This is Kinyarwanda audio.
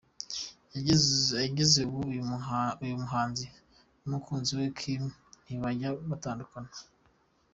Kugeza ubu, uyu muhanzi n’umukunzi we Kim ntibajya batandukana.